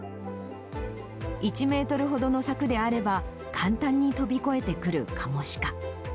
１メートルほどの柵であれば、簡単に飛び越えてくるカモシカ。